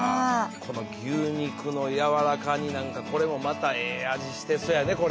この「牛肉のやわらか煮」なんかこれもまたええ味してそうやねこれは。